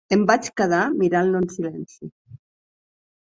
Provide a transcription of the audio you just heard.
Em vaig quedar mirant-lo en silenci.